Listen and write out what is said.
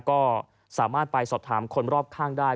ก็สามารถไปสอบถามคนรอบข้างได้